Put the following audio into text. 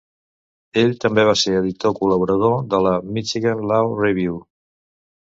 Ell també va ser editor col·laborador de la "Michigan Law Review".